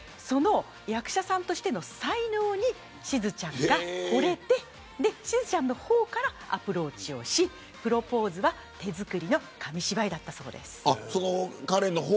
役者さんとしての才能にしずちゃんが惚れてしずちゃんの方からアプローチをしプロポーズは手作りの紙芝居だったそうです。